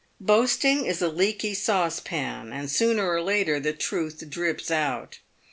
Boasting is a leaky saucepan, and sooner or later the truth drips out.